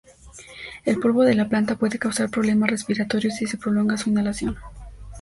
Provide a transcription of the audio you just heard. El polvo de la planta puede causar problemas respiratorios si se prolonga su inhalación.